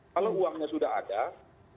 kalau uangnya sudah ada itu menyiapkan uangnya